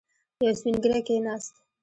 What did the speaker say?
يو سپين ږيری کېناست.